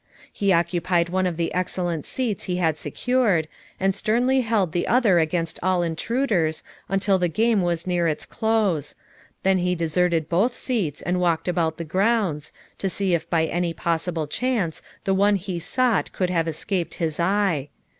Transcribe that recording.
He occupied one of the excellent seats he had secured, and sternly held the other against all intruders until the game was near its close; then he deserted both seats and walked about the grounds, to see if by any possible chance the one he sought could have escaped his eye.